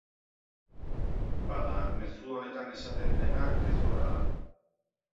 Bada, mezu honetan esaten dena gezurra da.